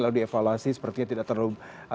lalu dievaluasi sepertinya tidak terlalu